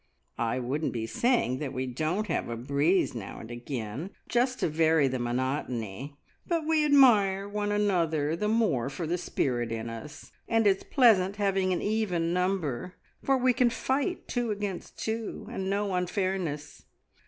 "I wouldn't be saying that we don't have a breeze now and again, just to vary the monotony; but we admire one another the more for the spirit in us. And it's pleasant having an even number, for we can fight two against two, and no unfairness.